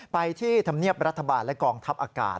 ไปที่ธรรมเนียบรัฐบาลและกองทัพอากาศ